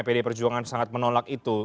pdi perjuangan sangat menolak itu